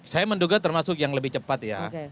saya menduga termasuk yang lebih cepat ya